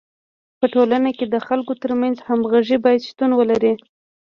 په ټولنه کي د خلکو ترمنځ همږغي باید شتون ولري.